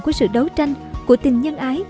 của sự đấu tranh của tình nhân ái